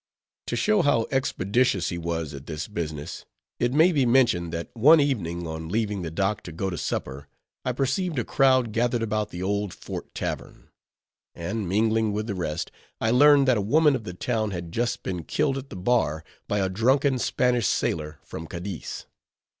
To show how expeditious he was at this business, it may be mentioned, that one evening on leaving the dock to go to supper, I perceived a crowd gathered about the Old Fort Tavern; and mingling with the rest, I learned that a woman of the town had just been killed at the bar by a drunken Spanish sailor from Cadiz.